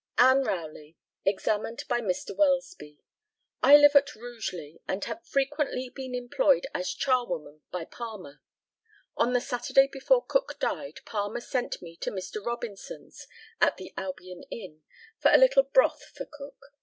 ANN ROWLEY, examined by Mr. WELSBY. I live at Rugeley, and have frequently been employed as charwoman by Palmer. On the Saturday before Cook died Palmer sent me to Mr. Robinson's, at the Albion Inn, for a little broth for Cook.